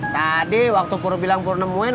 tadi waktu puru bilang puru nemuin